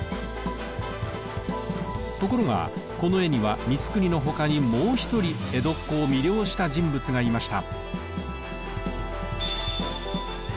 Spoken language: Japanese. ところがこの絵には光國の他にもう一人江戸っ子を魅了した人物がいました。